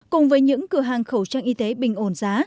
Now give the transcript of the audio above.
cùng với những cửa hàng khẩu trang y tế bình ổn giá